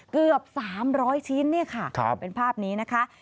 เกือบ๓๐๐ชิ้นเป็นภาพนี้นะคะ